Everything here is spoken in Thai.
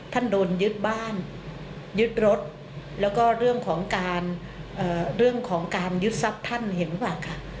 ท่านโดนยึดบ้านยึดรถแล้วก็เรื่องของการยึดทรัพย์ท่านเห็นมั้ยคะ